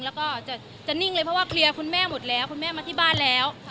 แล้วก็จะนิ่งเลยเพราะว่าเคลียร์คุณแม่หมดแล้วคุณแม่มาที่บ้านแล้ว